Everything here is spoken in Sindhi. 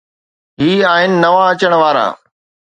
هي آهن نوان اچڻ وارا.